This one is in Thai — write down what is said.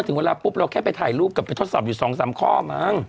ติดเวลาปุ๊บเราแค่ไปถ่ายรูปกับทดสอบวีด๒ข้อมั้ง